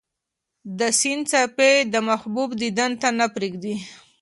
د سیند څپې د محبوب دیدن ته نه پرېږدي.